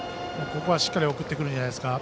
ここはしっかり送ってくるんじゃないんですか。